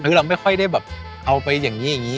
เราไม่ค่อยได้แบบเอาไปอย่างนี้อย่างนี้